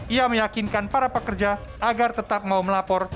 ia meyakinkan para pekerja agar tetap mau melapor